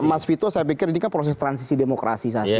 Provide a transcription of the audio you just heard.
ini mas fito saya pikir ini kan proses transisi demokrasisasi